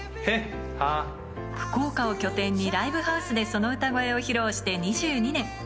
福岡を拠点にライブハウスでその歌声を披露して２２年。